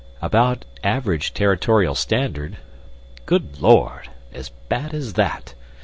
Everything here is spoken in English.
"About average Territorial standard." "Good Lord! as bad as that?